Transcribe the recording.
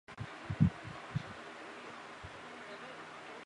北方町为岐阜县的町。